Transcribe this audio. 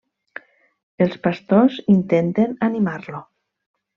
Els pastors intenten animar-lo.